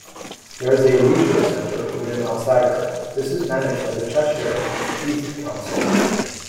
There is a leisure centre within Alsager, this is managed by Cheshire East Council.